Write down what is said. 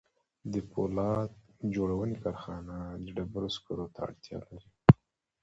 د پولاد جوړونې کارخانه د ډبرو سکارو ته اړتیا لري